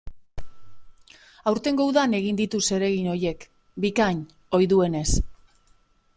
Aurtengo udan egin ditu zeregin horiek, bikain, ohi duenez.